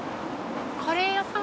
カレー屋さん？